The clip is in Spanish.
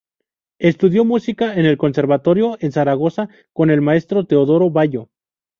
Estudió música en el conservatorio en Zaragoza con el maestro Teodoro Ballo.